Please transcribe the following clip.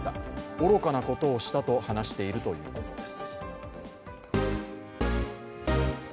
愚かなことをしたと話しているということです